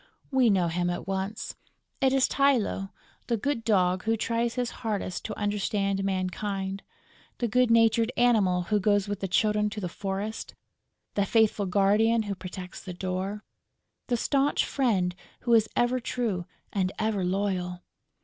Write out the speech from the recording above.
We know him at once. It is Tylô, the good Dog who tries his hardest to understand mankind, the good natured Animal who goes with the Children to the forest, the faithful guardian who protects the door, the staunch friend who is ever true and ever loyal!